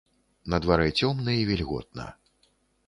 На дварэ цёмна і вільготна.